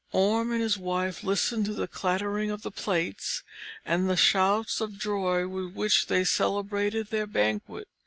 Orm and his wife listened to the clattering of the plates, and the shouts of joy with which they celebrated their banquet.